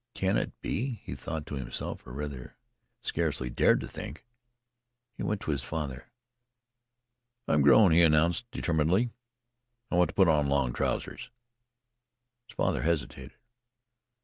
"Can it be ?" he thought to himself, or, rather, scarcely dared to think. He went to his father. "I am grown," he announced determinedly. "I want to put on long trousers." His father hesitated.